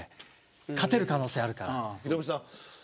勝てる可能性があるから。